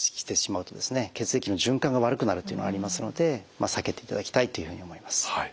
血液の循環が悪くなるというのがありますので避けていただきたいというふうに思います。